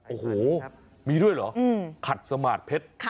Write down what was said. โอ้โหมีด้วยเหรอขัดสมาร์ทเพชร